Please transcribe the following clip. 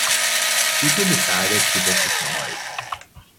Peter decided to just ignore it.